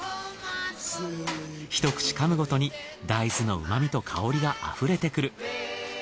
一口かむごとに大豆のうまみと香りがあふれてくる。